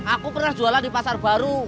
aku pernah jualan di pasar baru